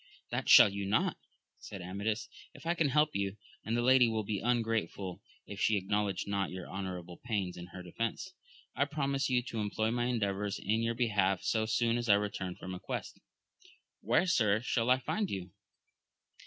That shall you not, said Amadis, if I can help you, and the lady will be ungrateful if she ac knowledge not your honourable pains in her defence. I promise you to employ my endeavours in your be half, so. soon as I return from a quest. — ^Where, sir, shall I find you